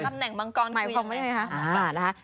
ตำแหน่งมังกรคืออย่างไร